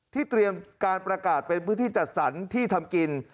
เตรียมการประกาศเป็นพื้นที่จัดสรรที่ทำกิน